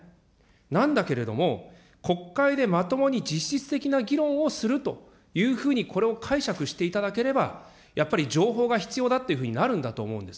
なんだけれども、国会でまともに実質的な議論をするというふうにこれを解釈していただければ、やっぱり情報が必要だっていうふうになるんだと思うんです。